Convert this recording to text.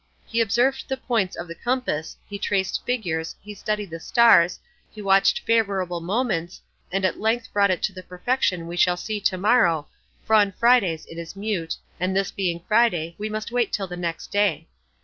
He observed the points of the compass, he traced figures, he studied the stars, he watched favourable moments, and at length brought it to the perfection we shall see to morrow, for on Fridays it is mute, and this being Friday we must wait till the next day.